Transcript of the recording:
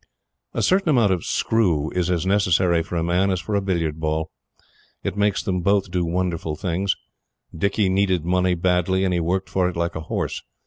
A certain amount of "screw" is as necessary for a man as for a billiard ball. It makes them both do wonderful things. Dicky needed money badly, and he worked for it like a horse.